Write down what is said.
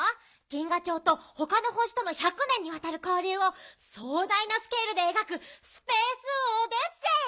銀河町とほかの星との１００年にわたるこうりゅうをそう大なスケールでえがくスペースオディッセー！